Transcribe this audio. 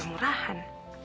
aku seperti cewek murahan